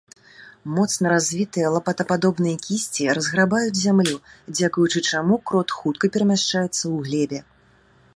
Моцна развітыя лапатападобныя кісці разграбаюць зямлю, дзякуючы чаму крот хутка перамяшчаецца ў глебе.